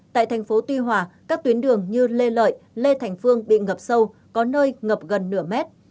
tại thành phố tuy hòa các tuyến đường như lê lợi lê thành phương bị ngập sâu có nơi ngập gần nửa mét